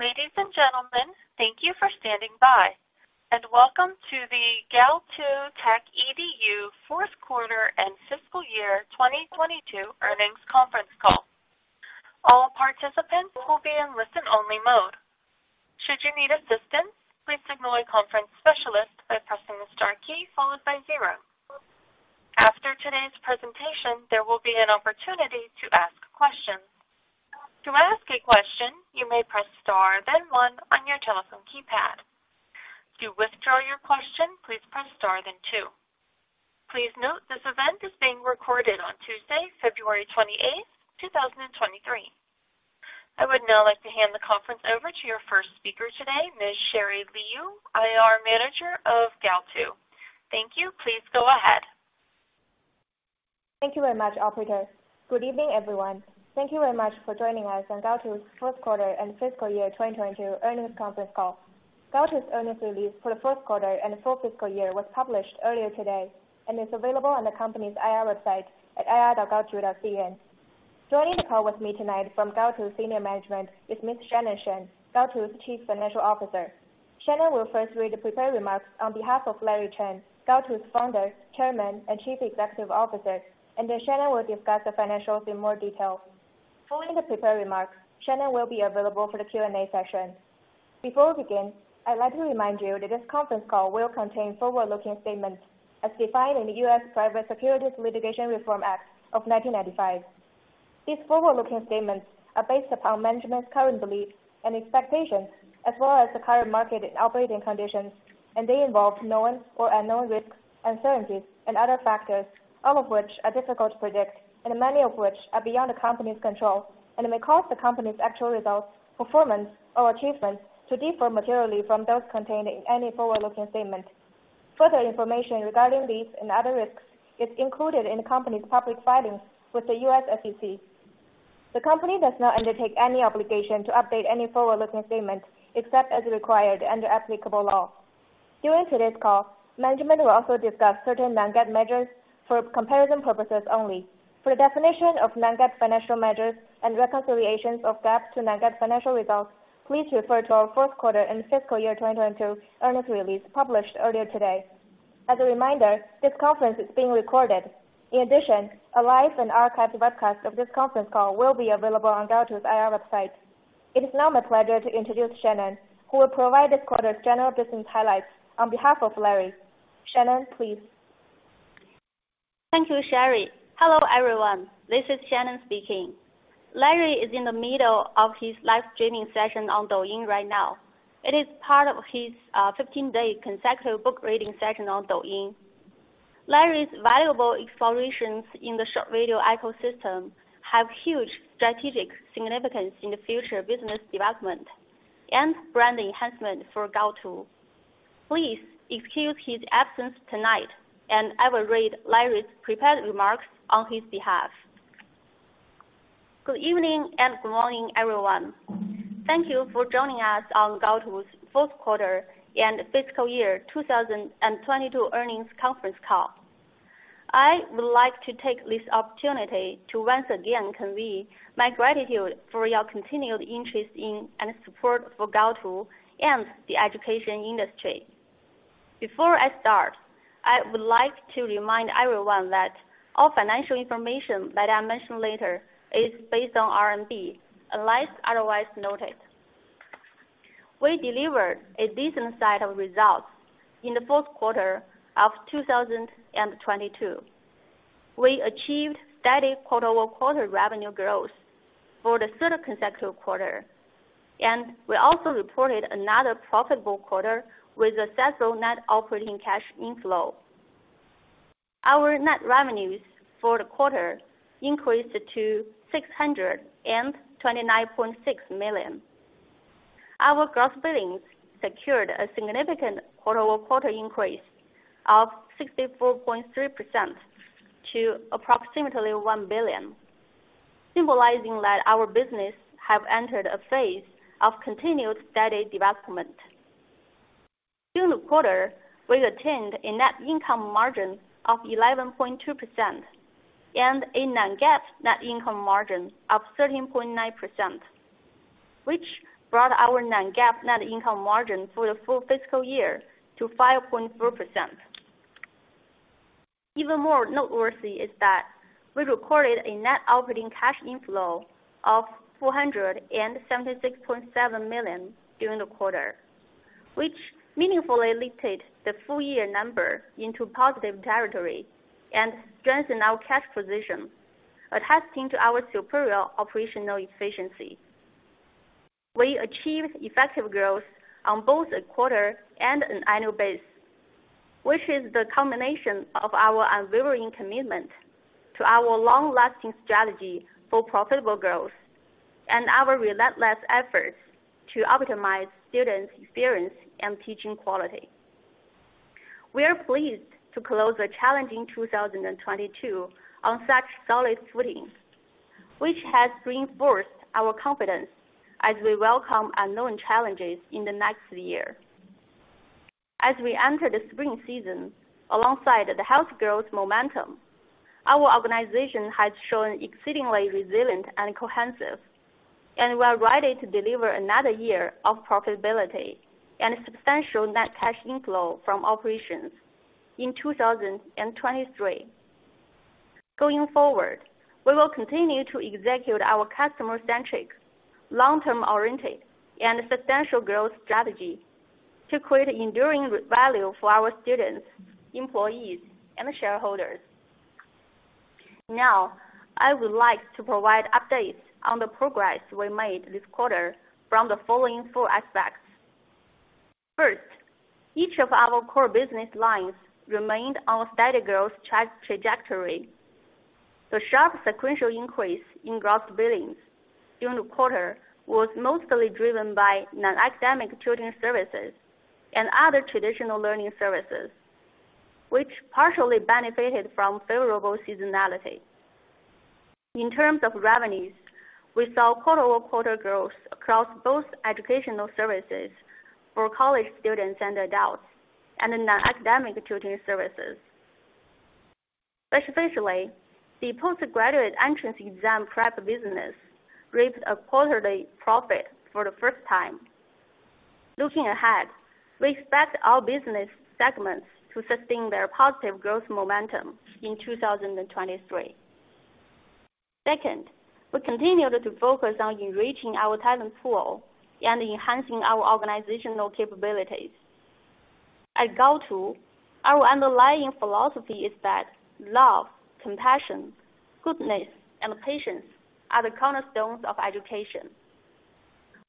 Ladies and gentlemen, thank you for standing by, and welcome to the Gaotu Techedu Q4 and Fiscal Year 2022 Earnings Conference Call. All participants will be in listen-only mode. Should you need assistance, please signal a conference specialist by pressing the Star key followed by zero. After today's presentation, there will be an opportunity to ask questions. To ask a question, you may press Star then one on your telephone keypad. To withdraw your question, please press Star then two. Please note this event is being recorded on Tuesday, February 28th, 2023. I would now like to hand the conference over to your first speaker today, Ms. Sherry Liu, IR Manager of Gaotu. Thank you. Please go ahead. Thank you very much, operator. Good evening, everyone. Thank you very much for joining us on Gaotu's Q4 and Fiscal Year 2022 Earnings Conference Call. Gaotu's earnings release for the Q4 and full fiscal year was published earlier today and is available on the company's IR website at ir.gaotu.cn. Joining the call with me tonight from Gaotu senior management is Ms. Shannon Shen, Gaotu's Chief Financial Officer. Shannon will first read the prepared remarks on behalf of Larry Chen, Gaotu's Founder, Chairman, and Chief Executive Officer, and then Shannon will discuss the financials in more detail. Following the prepared remarks, Shannon will be available for the Q&A session. Before we begin, I'd like to remind you that this conference call will contain forward-looking statements as defined in the U.S. Private Securities Litigation Reform Act of 1995. These forward-looking statements are based upon management's current beliefs and expectations as well as the current market and operating conditions, they involve known or unknown risks, uncertainties and other factors, all of which are difficult to predict and many of which are beyond the company's control. They may cause the company's actual results, performance or achievements to differ materially from those contained in any forward-looking statement. Further information regarding these and other risks is included in the company's public filings with the U.S. SEC. The company does not undertake any obligation to update any forward-looking statements, except as required under applicable law. During today's call, management will also discuss certain non-GAAP measures for comparison purposes only. For the definition of non-GAAP financial measures and reconciliations of GAAP to non-GAAP financial results, please refer to our Q4 and fiscal year 2022 earnings release published earlier today. As a reminder, this conference is being recorded. In addition, a live and archived webcast of this conference call will be available on Gaotu's IR website. It is now my pleasure to introduce Shannon, who will provide this quarter's general business highlights on behalf of Larry. Shannon, please. Thank you, Sherry. Hello, everyone. This is Shannon speaking. Larry is in the middle of his live streaming session on Douyin right now. It is part of his 15-day consecutive book reading session on Douyin. Larry's valuable explorations in the short-video ecosystem have huge strategic significance in the future business development and brand enhancement for Gaotu. Please excuse his absence tonight. I will read Larry's prepared remarks on his behalf. Good evening and good morning, everyone. Thank you for joining us on Gaotu's Q4 and Fiscal Year 2022 Earnings Conference Call. I would like to take this opportunity to once again convey my gratitude for your continued interest in and support for Gaotu and the education industry. Before I start, I would like to remind everyone that all financial information that I mention later is based on RMB, unless otherwise noted. We delivered a decent set of results in the Q4 of 2022. We achieved steady quarter-over-quarter revenue growth for the third consecutive quarter, and we also reported another profitable quarter with a sensible net operating cash inflow. Our net revenues for the quarter increased to 629.6 million. Our gross billings secured a significant quarter-over-quarter increase of 64.3% to approximately 1 billion, symbolizing that our business have entered a phase of continued steady development. During the quarter, we attained a net income margin of 11.2% and a non-GAAP net income margin of 13.9%, which brought our non-GAAP net income margin for the full fiscal year to 5.4%. Even more noteworthy is that we recorded a net operating cash inflow of 476.7 million during the quarter, which meaningfully lifted the full year number into positive territory and strengthened our cash position, attesting to our superior operational efficiency. We achieved effective growth on both a quarter and an annual base, which is the combination of our unwavering commitment to our long-lasting strategy for profitable growth and our relentless efforts to optimize students' experience and teaching quality. We are pleased to close a challenging 2022 on such solid footing, which has reinforced our confidence as we welcome unknown challenges in the next year. As we enter the spring season alongside the health growth momentum, our organization has shown exceedingly resilient and cohesive, and we are ready to deliver another year of profitability and substantial net cash inflow from operations in 2023. Going forward, we will continue to execute our customer-centric, long-term oriented, and substantial growth strategy to create enduring value for our students, employees, and shareholders. Now, I would like to provide updates on the progress we made this quarter from the following four aspects. First, each of our core business lines remained on a steady growth trajectory. The sharp sequential increase in gross billings during the quarter was mostly driven by non-academic tutoring services and other traditional learning services, which partially benefited from favorable seasonality. In terms of revenues, we saw quarter-over-quarter growth across both educational services for college students and adults, and in our academic tutoring services. Especially, the postgraduate entrance exam prep business reaped a quarterly profit for the first time. Looking ahead, we expect our business segments to sustain their positive growth momentum in 2023. Second, we continued to focus on enriching our talent pool and enhancing our organizational capabilities. At Gaotu, our underlying philosophy is that love, compassion, goodness, and patience are the cornerstones of education.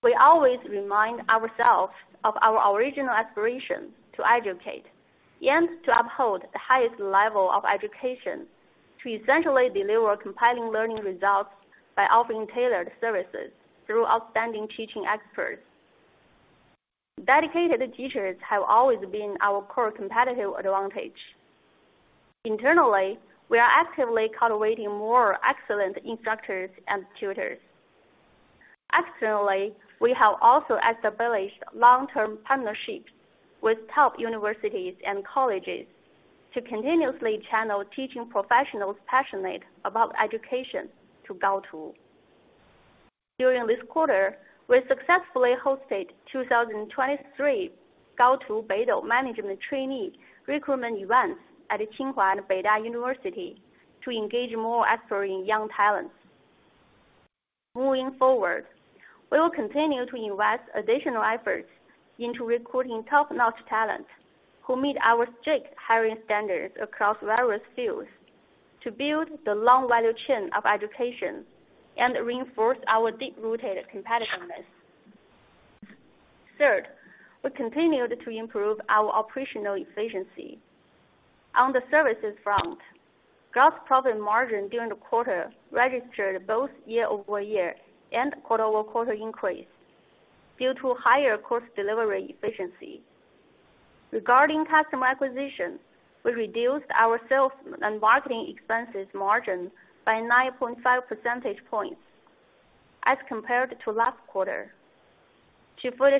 We always remind ourselves of our original aspirations to educate and to uphold the highest level of education to essentially deliver compelling learning results by offering tailored services through outstanding teaching experts. Dedicated teachers have always been our core competitive advantage. Internally, we are actively cultivating more excellent instructors and tutors. Externally, we have also established long-term partnerships with top universities and colleges to continuously channel teaching professionals passionate about education to Gaotu. During this quarter, we successfully hosted 2023 Gaotu-Beida Management Trainee Recruitment Event at Tsinghua and Beida University to engage more expert young talents. Moving forward, we will continue to invest additional efforts into recruiting top-notch talent who meet our strict hiring standards across various fields to build the long value chain of education and reinforce our deep-rooted competitiveness. Third, we continued to improve our operational efficiency. On the services front, gross profit margin during the quarter registered both year-over-year and quarter-over-quarter increase due to higher course delivery efficiency. Regarding customer acquisition, we reduced our sales and marketing expenses margin by 9.5 percentage points as compared to last quarter to 46%.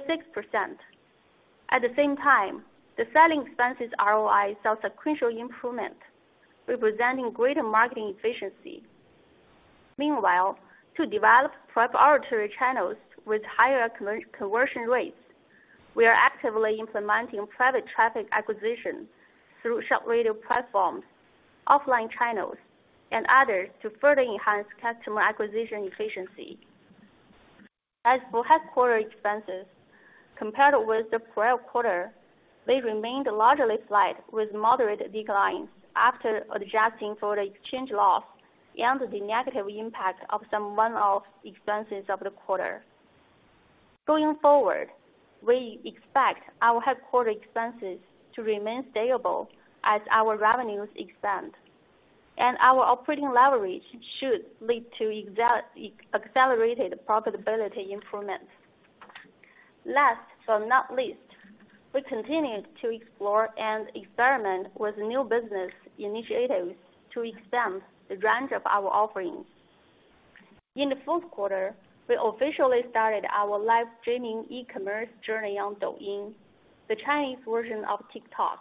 At the same time, the selling expenses ROI saw sequential improvement, representing greater marketing efficiency. Meanwhile, to develop proprietary channels with higher conversion rates, we are actively implementing private traffic acquisition through short-video platforms, offline channels, and others to further enhance customer acquisition efficiency. As for headquarter expenses, compared with the prior quarter, they remained largely flat with moderate declines after adjusting for the exchange loss and the negative impact of some one-off expenses of the quarter. Going forward, we expect our headquarter expenses to remain stable as our revenues expand, and our operating leverage should lead to accelerated profitability improvements. Last but not least, we continued to explore and experiment with new business initiatives to expand the range of our offerings. In the Q4, we officially started our live streaming e-commerce journey on Douyin, the Chinese version of TikTok.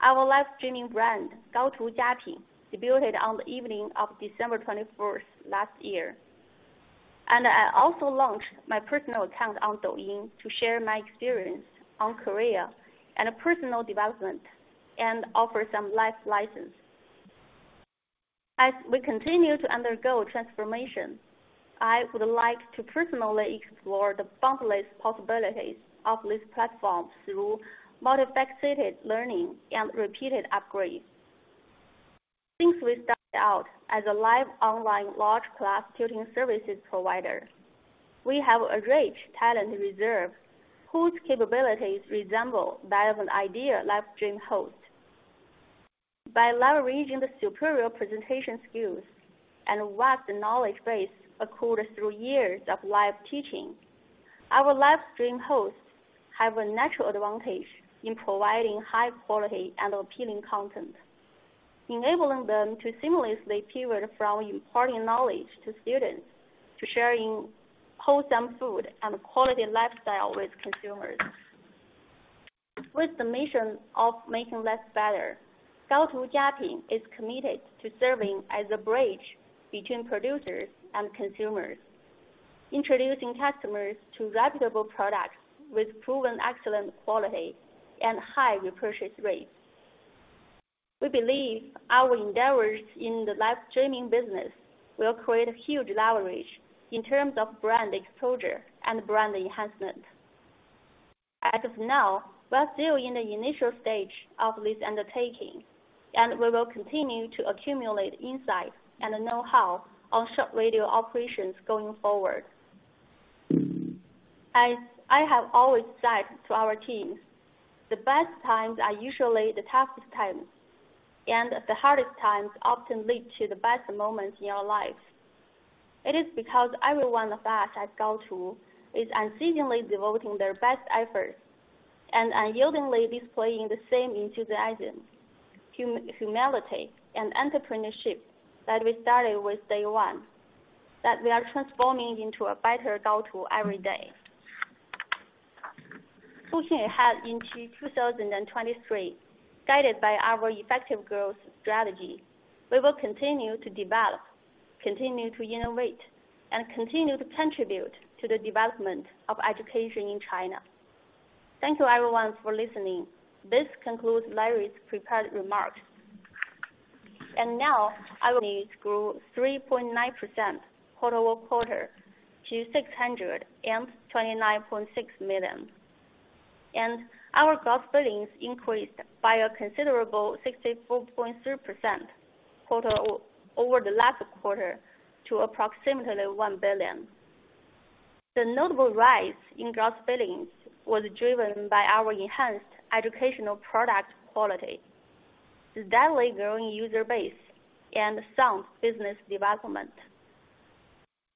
Our live streaming brand, Gaotu Jiapin, debuted on the evening of December 21st last year. I also launched my personal account on Douyin to share my experience on career and personal development and offer some life lessons. As we continue to undergo transformation, I would like to personally explore the boundless possibilities of this platform through multifaceted learning and repeated upgrades. Since we started out as a live online large class tutoring services provider, we have a rich talent reserve whose capabilities resemble that of an ideal live stream host. By leveraging the superior presentation skills and vast knowledge base acquired through years of live teaching, our live stream hosts have a natural advantage in providing high quality and appealing content. Enabling them to seamlessly pivot from imparting knowledge to students to sharing wholesome food and quality lifestyle with consumers. With the mission of making less better, Gaotu Jiapin is committed to serving as a bridge between producers and consumers, introducing customers to reputable products with proven excellent quality and high repurchase rates. We believe our endeavors in the live streaming business will create huge leverage in terms of brand exposure and brand enhancement. As of now, we are still in the initial stage of this undertaking, and we will continue to accumulate insight and know-how on short-video operations going forward. As I have always said to our teams, the best times are usually the toughest times, and the hardest times often lead to the best moments in our lives. It is because everyone of us at Gaotu is unceasingly devoting their best efforts and unyieldingly displaying the same enthusiasm, humility, and entrepreneurship that we started with day one, that we are transforming into a better Gaotu every day. Looking ahead into 2023, guided by our effective growth strategy, we will continue to develop, continue to innovate, and continue to contribute to the development of education in China. Thank you everyone for listening. This concludes Larry's prepared remarks. grew 3.9% quarter-over-quarter to 629.6 million. Our gross billings increased by a considerable 64.3% quarter-over-quarter to approximately 1 billion. The notable rise in gross billings was driven by our enhanced educational product quality, the daily growing user base, and sound business development.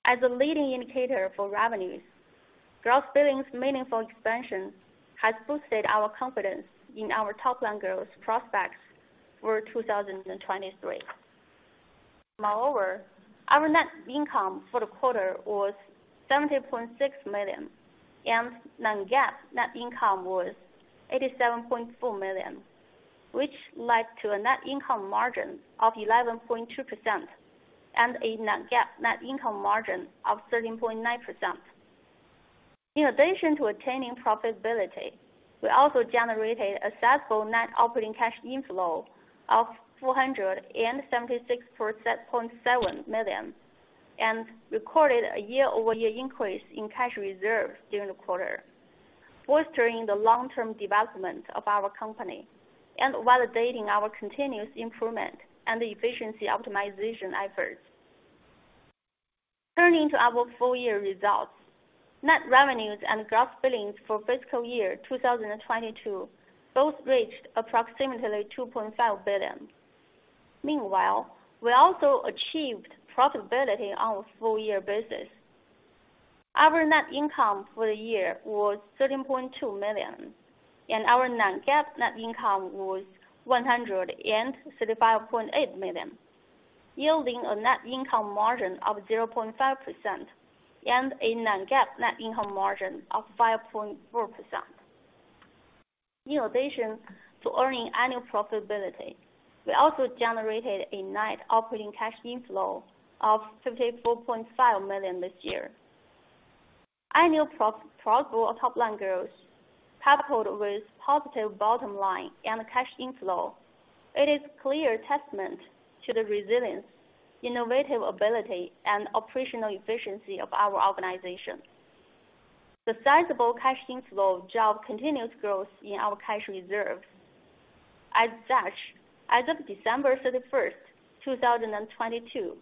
As a leading indicator for revenues, gross billings meaningful expansion has boosted our confidence in our top-line growth prospects for 2023. Our net income for the quarter was 70.6 million, and non-GAAP net income was 87.4 million, which led to a net income margin of 11.2% and a non-GAAP net income margin of 13.9%. In addition to attaining profitability, we also generated a sizable net operating cash inflow of 476.7 million, and recorded a year-over-year increase in cash reserves during the quarter, fostering the long-term development of our company and validating our continuous improvement and efficiency optimization efforts. Turning to our full-year results. Net revenues and gross billings for fiscal year 2022 both reached approximately 2.5 billion. Meanwhile, we also achieved profitability on a full year basis. Our net income for the year was 13.2 million, and our non-GAAP net income was 135.8 million, yielding a net income margin of 0.5% and a non-GAAP net income margin of 5.4%. In addition to earning annual profitability, we also generated a net operating cash inflow of 54.5 million this year. Annual pro-profitable top-line growth coupled with positive bottom line and cash inflow, it is clear testament to the resilience, innovative ability, and operational efficiency of our organization. The sizable cash inflow drove continuous growth in our cash reserves. As of December 31, 2022,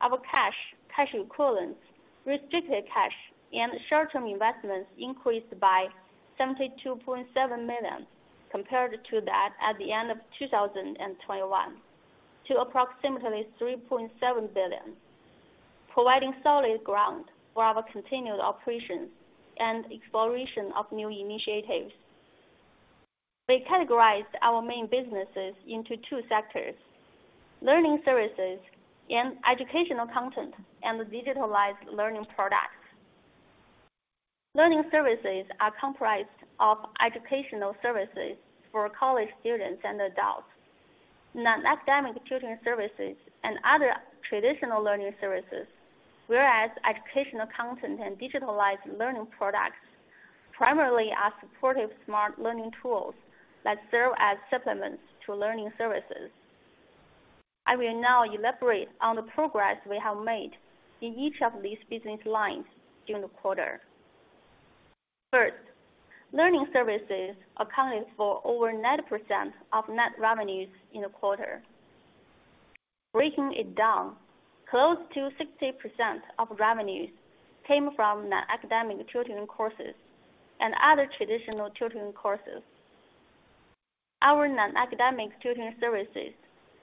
our cash equivalents, restricted cash, and short-term investments increased by 72.7 million compared to that at the end of 2021 to approximately 3.7 billion, providing solid ground for our continued operations and exploration of new initiatives. We categorized our main businesses into two sectors: learning services and educational content and digitalized learning products. Learning services are comprised of educational services for college students and adults, non-academic tutoring services, and other traditional learning services, whereas educational content and digitalized learning products primarily are supportive smart learning tools that serve as supplements to learning services. I will now elaborate on the progress we have made in each of these business lines during the quarter. First, learning services accounted for over 90% of net revenues in the quarter. Breaking it down, close to 60% of revenues came from non-academic tutoring courses and other traditional tutoring courses. Our non-academic tutoring services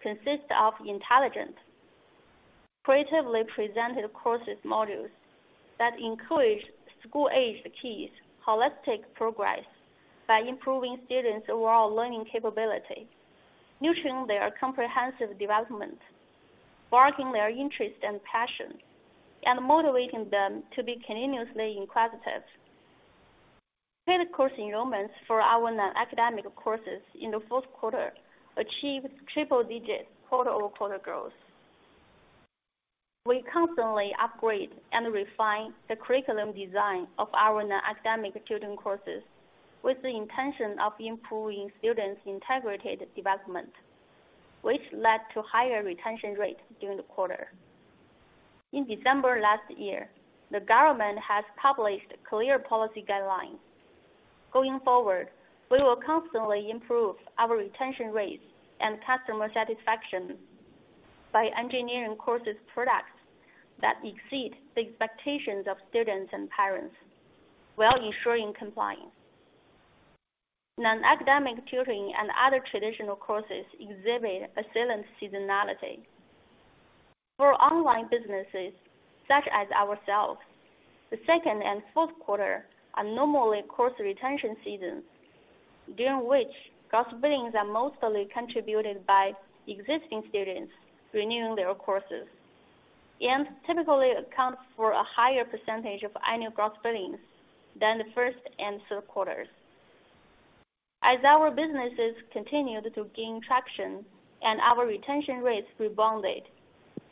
consist of intelligent-Creatively presented courses modules that encourage school-aged kids holistic progress by improving students' overall learning capability, nurturing their comprehensive development, sparking their interest and passion, and motivating them to be continuously inquisitive. Paid course enrollments for our non-academic courses in the Q4 achieved triple digits quarter-over-quarter growth. We constantly upgrade and refine the curriculum design of our non-academic tutoring courses with the intention of improving students' integrated development, which led to higher retention rates during the quarter. In December last year, the government has published clear policy guidelines. Going forward, we will constantly improve our retention rates and customer satisfaction by engineering courses products that exceed the expectations of students and parents while ensuring compliance. Non-academic tutoring and other traditional courses exhibit a silent seasonality. For online businesses, such as ourselves, the second and Q4 are normally course retention seasons, during which gross billings are mostly contributed by existing students renewing their courses and typically account for a higher percentage of annual gross billings than the first and Q3s. As our businesses continued to gain traction and our retention rates rebounded,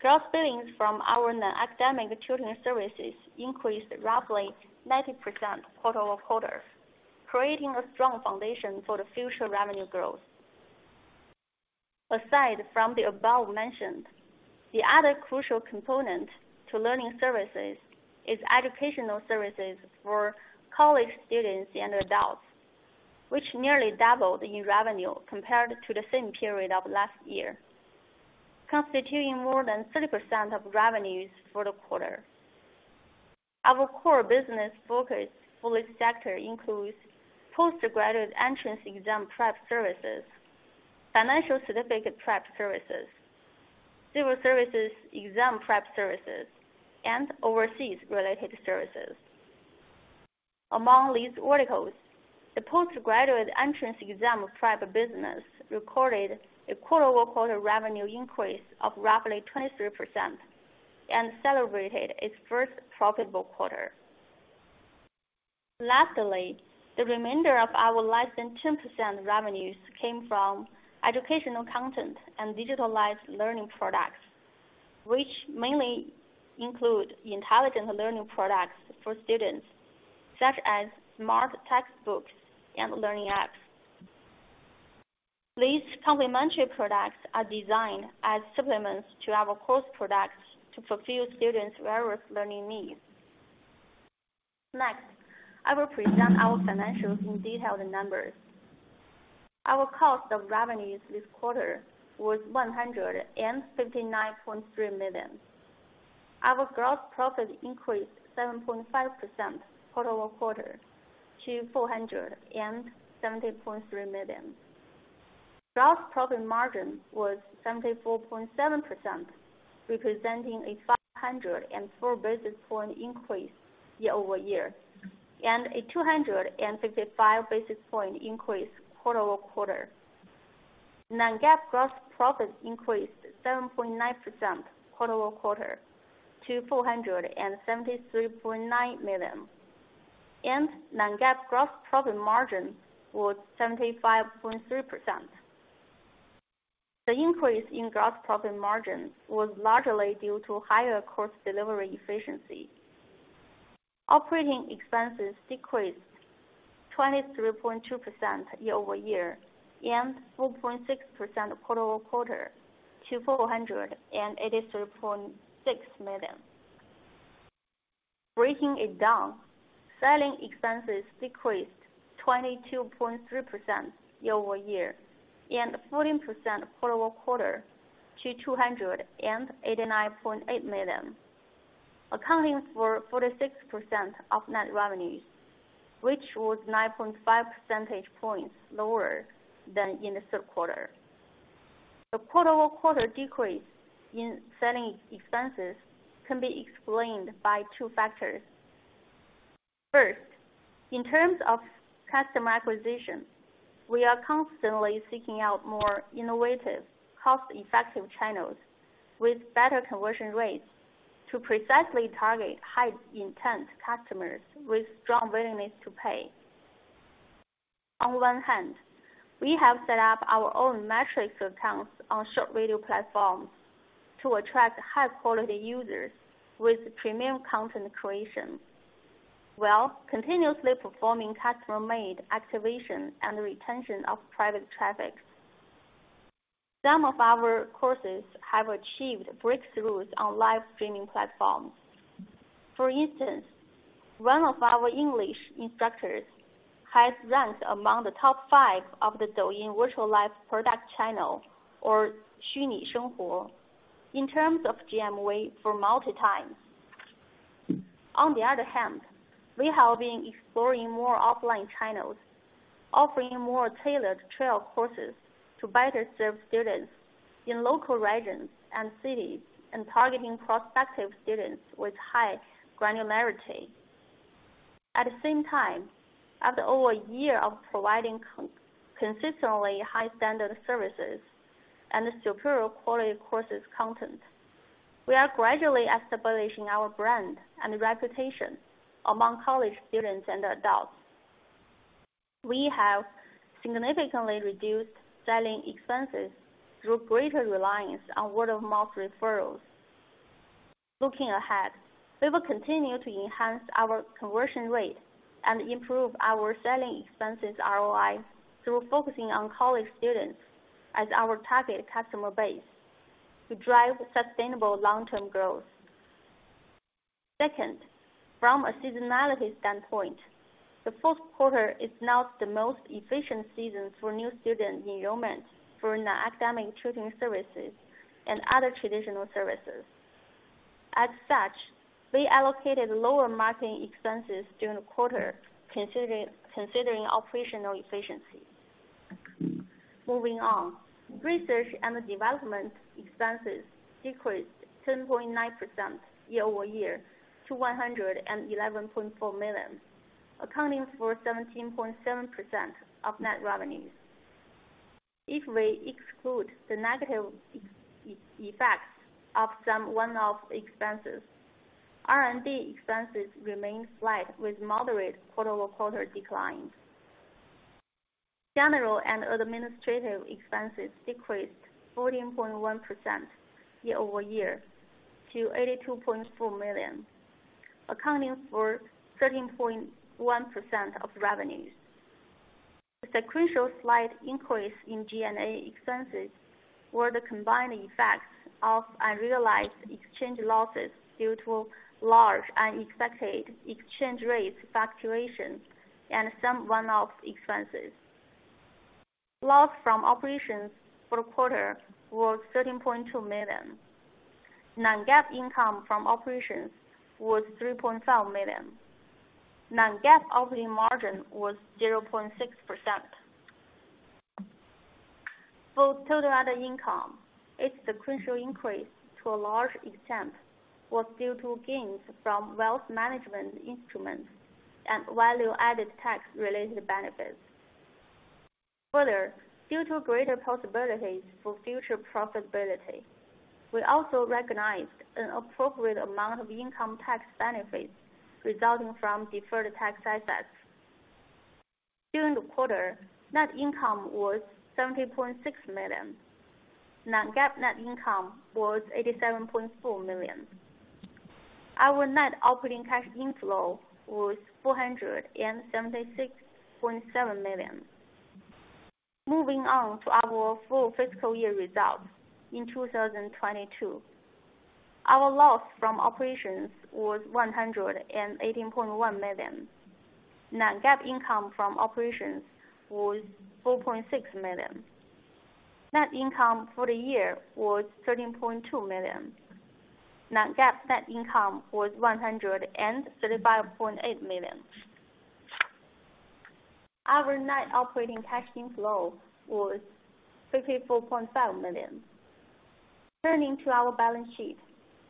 gross billings from our non-academic tutoring services increased roughly 90% quarter-over-quarter, creating a strong foundation for the future revenue growth. Aside from the above mentioned, the other crucial component to learning services is educational services for college students and adults, which nearly doubled in revenue compared to the same period of last year, constituting more than 30% of revenues for the quarter. Our core business focus for this sector includes postgraduate entrance exam prep services, financial certificate prep services, civil services exam prep services, and overseas related services. Among these verticals, the postgraduate entrance exam prep business recorded a quarter-over-quarter revenue increase of roughly 23% and celebrated its first profitable quarter. Lastly, the remainder of our less than 10% revenues came from educational content and digitalized learning products, which mainly include intelligent learning products for students, such as smart textbooks and learning apps. These complementary products are designed as supplements to our course products to fulfill students' various learning needs. Next, I will present our financials in detailed numbers. Our cost of revenues this quarter was 159.3 million. Our gross profit increased 7.5% quarter-over-quarter to 470.3 million. Gross profit margin was 74.7%, representing a 504 basis point increase year-over-year and a 255 basis point increase quarter-over-quarter. Non-GAAP gross profit increased 7.9% quarter-over-quarter to 473.9 million, and Non-GAAP gross profit margin was 75.3%. The increase in gross profit margin was largely due to higher course delivery efficiency. Operating expenses decreased 23.2% year-over-year, and 4.6% quarter-over-quarter to 483.6 million. Breaking it down, selling expenses decreased 22.3% year-over-year, and 14% quarter-over-quarter to 289.8 million, accounting for 46% of net revenues, which was 9.5 percentage points lower than in the Q3. The quarter-over-quarter decrease in selling expenses can be explained by two factors. First, in terms of customer acquisition, we are constantly seeking out more innovative, cost-effective channels with better conversion rates to precisely target high intent customers with strong willingness to pay. On one hand, we have set up our own matrix accounts on short-video platforms to attract high quality users with premium content creation, while continuously performing customer-made activation and retention of private traffic. Some of our courses have achieved breakthroughs on live streaming platforms. For instance, one of our English instructors has ranked among the top five of the Douyin virtual live product channel, or 虚拟生 活, in terms of GM weight for multi times. On the other hand, we have been exploring more offline channels, offering more tailored trail courses to better serve students in local regions and cities, and targeting prospective students with high granularity. At the same time, after over a year of providing consistently high standard services and the superior quality courses content, we are gradually establishing our brand and reputation among college students and adults. We have significantly reduced selling expenses through greater reliance on word-of-mouth referrals. Looking ahead, we will continue to enhance our conversion rate and improve our selling expenses ROI through focusing on college students as our target customer base to drive sustainable long-term growth. Second, from a seasonality standpoint, the Q4 is not the most efficient season for new student enrollments for non-academic tutoring services and other traditional services. As such, we allocated lower marketing expenses during the quarter considering operational efficiency. Moving on. Research and development expenses decreased 10.9% year-over-year to 111.4 million, accounting for 17.7% of net revenues. If we exclude the negative effects of some one-off expenses, R&D expenses remain flat with moderate quarter-over-quarter declines. General and administrative expenses decreased 14.1% year-over-year to 82.4 million, accounting for 13.1% of revenues. The sequential slight increase in G&A expenses were the combined effects of unrealized exchange losses due to large unexpected exchange rate fluctuations and some one-off expenses. Loss from operations for the quarter was 13.2 million. Non-GAAP income from operations was 3.5 million. Non-GAAP operating margin was 0.6%. Total other income, its sequential increase to a large extent was due to gains from wealth management instruments and value added tax related benefits. Due to greater possibilities for future profitability, we also recognized an appropriate amount of income tax benefits resulting from deferred tax assets. During the quarter, net income was 70.6 million. Non-GAAP net income was 87.4 million. Our net operating cash inflow was 476.7 million. Moving on to our full fiscal year results in 2022. Our loss from operations was 118.1 million. Non-GAAP income from operations was 4.6 million. Net income for the year was 13.2 million. Non-GAAP net income was 135.8 million. Our net operating cash inflow was 54.5 million. Turning to our balance sheet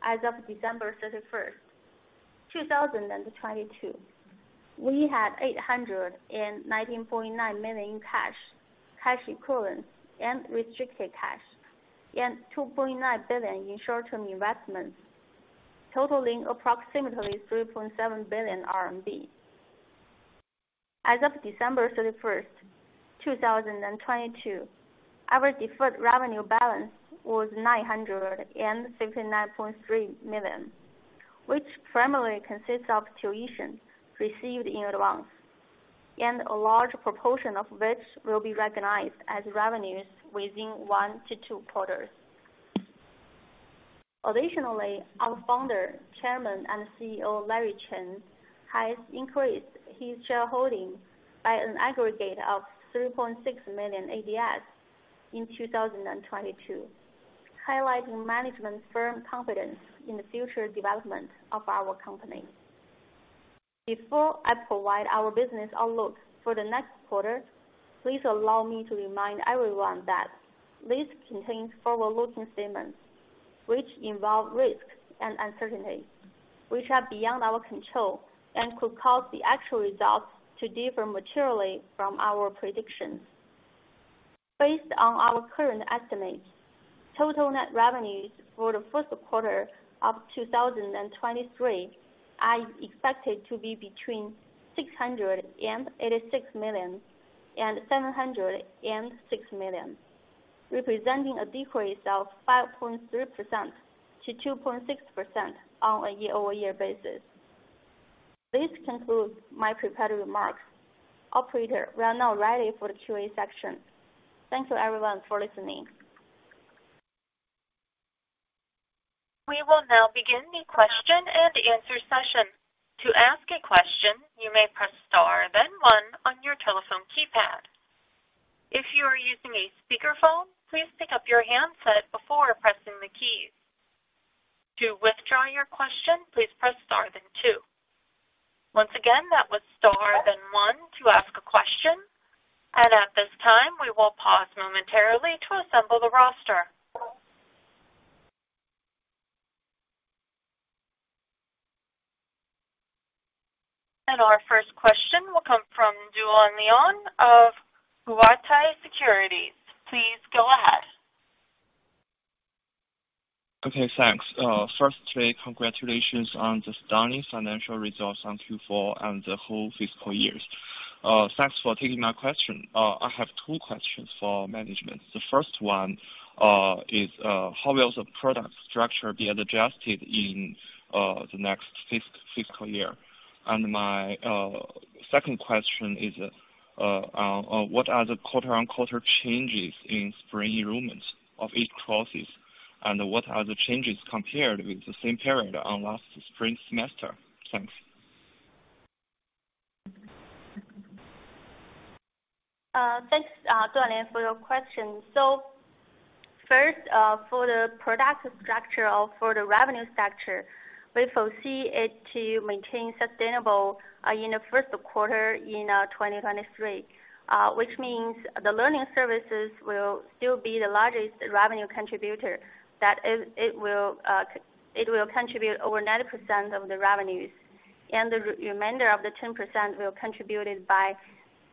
as of December 31, 2022. We had 819.9 million cash equivalents and restricted cash, and 2.9 billion in short-term investments, totaling approximately 3.7 billion RMB. As of December 31st, 2022, our deferred revenue balance was 959.3 million, which primarily consists of tuition received in advance, and a large proportion of which will be recognized as revenues within one to two quarters. Our founder, chairman and CEO, Larry Chen, has increased his shareholding by an aggregate of 3.6 million ADSs in 2022, highlighting management firm confidence in the future development of our company. Before I provide our business outlook for the next quarter, please allow me to remind everyone that this contains forward-looking statements which involve risks and uncertainties which are beyond our control and could cause the actual results to differ materially from our predictions. Based on our current estimates, total net revenues for the Q1 of 2023 are expected to be between 686 million and 706 million, representing a decrease of 5.3%-2.6% on a year-over-year basis. This concludes my prepared remarks. Operator, we are now ready for the QA section. Thank you everyone for listening. We will now begin the question and answer session. To ask a question, you may press Star, then one on your telephone keypad. Using a speakerphone, please pick up your handset before pressing the keys. To withdraw your question, please press Star, then two. Once again, that was Star, then one to ask a question. At this time, we will pause momentarily to assemble the roster. Our first question will come from Duolan Lian of Guotai Securities. Please go ahead. Okay, thanks. Firstly, congratulations on the stunning financial results on Q4 and the whole fiscal years. Thanks for taking my question. I have two questions for management. The first one is how will the product structure be adjusted in the next fiscal year? My second question is what are the quarter-on-quarter changes in spring enrollments of each courses, and what are the changes compared with the same period on last spring semester? Thanks. Thanks, Duolan, for your question. First, for the product structure or for the revenue structure, we foresee it to maintain sustainable in the Q1 in 2023. Which means the learning services will still be the largest revenue contributor that is, it will contribute over 90% of the revenues, and the remainder of the 10% will contributed by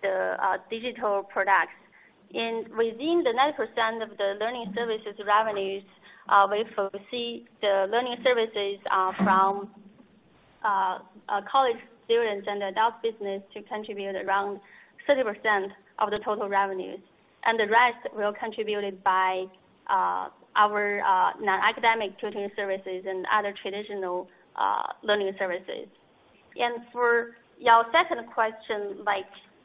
the digital products. Within the 90% of the learning services revenues, we foresee the learning services from college students and the adult business to contribute around 30% of the total revenues. The rest will contributed by our non-academic tutoring services and other traditional learning services. For your second question,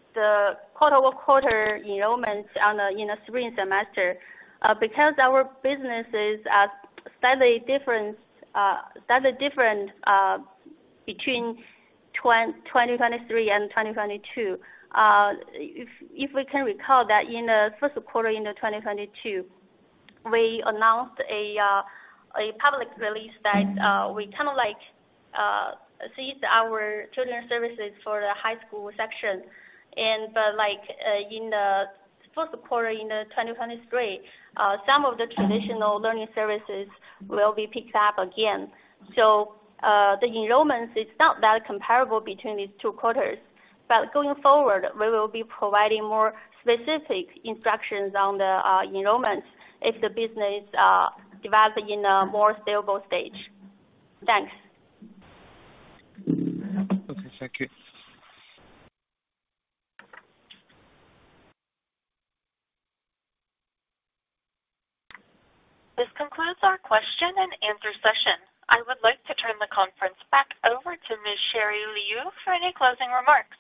like the quarter-over-quarter enrollments on the, you know, spring semester. Because our businesses are slightly different between 2023 and 2022. If we can recall that in the 1st quarter in 2022, we announced a public release that we kinda like ceased our children services for the high school section. But like in the Q1 in 2023, some of the traditional learning services will be picked up again. The enrollments is not that comparable between these two quarters. Going forward, we will be providing more specific instructions on the enrollment if the business develop in a more stable stage. Thanks. Okay. Thank you. This concludes our question and answer session. I would like to turn the conference back over to Ms. Sherry Liu for any closing remarks.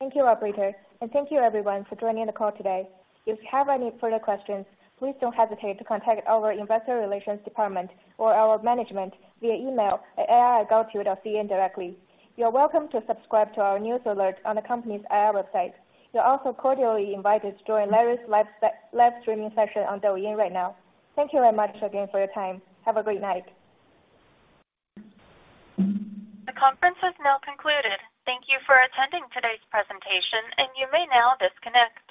Thank you, operator. Thank you everyone for joining the call today. If you have any further questions, please don't hesitate to contact our investor relations department or our management via email at ir@gaotu.cn directly. You're welcome to subscribe to our news alert on the company's IR website. You're also cordially invited to join Larry's live streaming session on Douyin right now. Thank you very much again for your time. Have a great night. The conference is now concluded. Thank you for attending today's presentation. You may now disconnect.